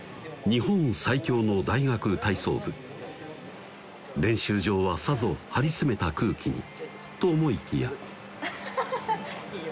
日本最強の大学体操部練習場はさぞ張り詰めた空気にと思いきやアッハハハハ！